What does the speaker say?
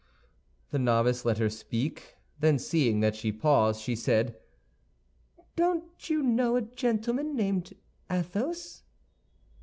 The novice let her speak, then seeing that she paused, she said, "Don't you know a gentleman named Athos?"